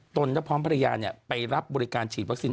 นและพร้อมภรรยาไปรับบริการฉีดวัคซีน